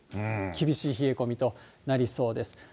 厳しい冷え込みとなりそうです。